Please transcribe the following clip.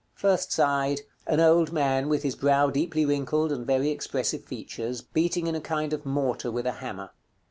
First side. An old man, with his brow deeply wrinkled, and very expressive features, beating in a kind of mortar with a hammer.